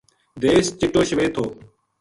دیس چٹو شوید تھو